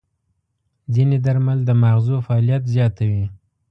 ځینې درمل د ماغزو فعالیت زیاتوي.